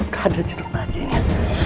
gak ada jenis lagi ini